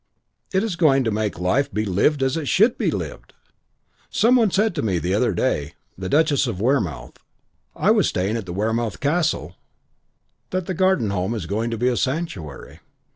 It is going to make life be lived as it should he lived. Some one said to me the other day the Duchess of Wearmouth; I was staying at Wearmouth Castle that the Garden Home is going to be a sanctuary.